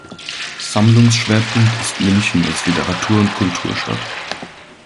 Sammlungsschwerpunkt ist München als Literatur- und Kulturstadt.